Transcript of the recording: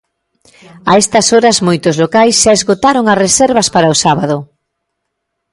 A estas horas moitos locais xa esgotaron as reservas para o sábado.